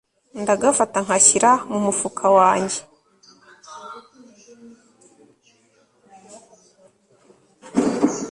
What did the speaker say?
ndagafata nkashyira mu mufukawange